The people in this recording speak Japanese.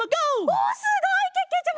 おおすごいけけちゃま！